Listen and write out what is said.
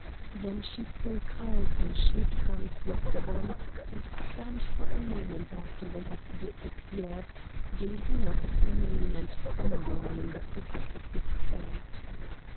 Then she saw Carlton shake hands with them, and stand for a moment after they had disappeared, gazing up at the moon and fumbling in the pockets of his coat.